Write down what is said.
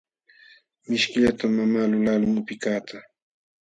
Mishkillatam mamaa lulaqlun upikaqta.